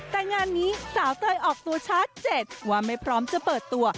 แต่งานนี้สาวเตยออกตัวชัดเจนว่าไม่พร้อมจะเปิดตัว